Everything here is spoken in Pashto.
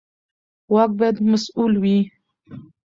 واک باید مسوول وي